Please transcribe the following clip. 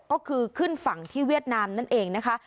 ก็คือขึ้นฝั่งที่เวียดนามนั่นเองนะคะ